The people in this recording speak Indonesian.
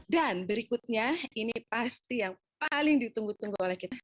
dan berikutnya ini pasti yang paling ditunggu tunggu oleh kita